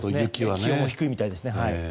気温も低いみたいですね。